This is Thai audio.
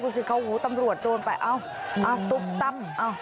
สิเขาหูตำรวจโดนไปเอ้าตุ๊บตั้ม